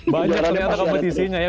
banyak ternyata kompetisinya ya